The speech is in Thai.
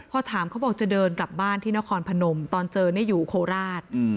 พอถามเขาบอกจะเดินกลับบ้านที่นครพนมตอนเจออยู่โคราช